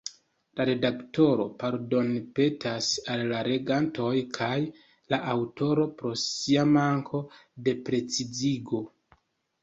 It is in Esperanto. La redaktoro pardonpetas al la legantoj kaj la aŭtoro pro sia manko de precizigo.